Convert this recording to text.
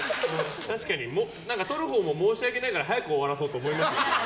確かに撮るほうも申し訳ないから早く終わらそうと思いますよね。